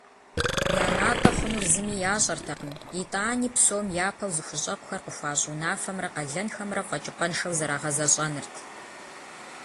Я натӀэ хъунур зыми ящӀэртэкъым, итӀани псом япэу зыхущӀэкъухэр къыхуащӀ унафэмрэ къалэнхэмрэ фэкӀыпӀэншэу зэрагъэзэщӀэнырт.